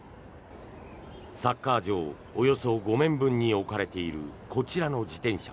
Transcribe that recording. サッカー場およそ５面分に置かれているこちらの自転車